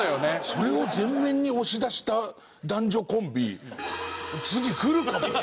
それを前面に押し出した男女コンビ次くるかもよ？